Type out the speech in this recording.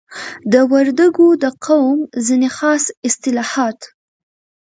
د وردګو د قوم ځینی خاص اصتلاحات